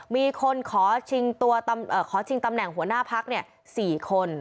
มีคนขอชิงตัวเอ่อขอชิงตำแหน่งหัวหน้าพักเนี่ยสี่คน